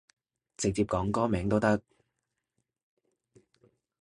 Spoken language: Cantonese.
直接講歌名都得